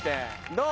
どう？